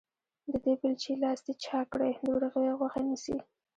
د دې بېلچې لاستي چاک کړی، د ورغوي غوښه نيسي.